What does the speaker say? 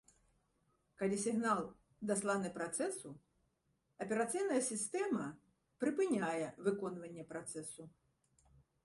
Калі сігнал дасланы працэсу, аперацыйная сістэма прыпыняе выконванне працэсу.